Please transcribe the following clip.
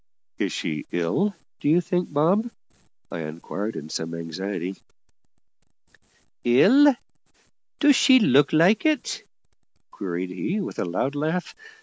"Is she ill, do you think, Bob?" I inquired in some anxiety. "Ill? do she look like it?" queried he with a loud laugh.